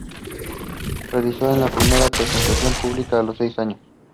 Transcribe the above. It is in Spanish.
Realizó su primera presentación pública a los seis años.